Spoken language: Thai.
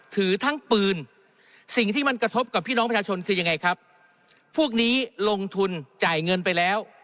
ถือทั้งปืนสิ่งที่มันกระทบกับพี่น้องประชาชนคือยังไงครับพวกนี้ลงทุนจ่ายเงินไปแล้ว